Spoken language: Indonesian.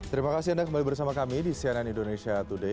terima kasih anda kembali bersama kami di cnn indonesia today